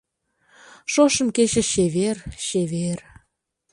Шошым кече чевер, чевер